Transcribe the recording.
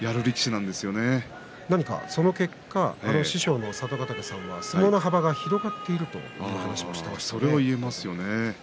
その結果、師匠の佐渡ヶ嶽さんは相撲の幅が広がっているという話をしていました。